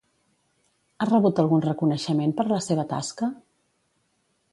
Ha rebut algun reconeixement per la seva tasca?